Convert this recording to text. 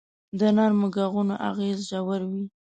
د نرمو ږغونو اغېز ژور وي.